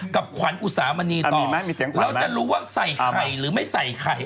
กับขวัญอุสามณีต่อเราจะรู้ว่าใส่ใครหรือไม่ใส่ใคร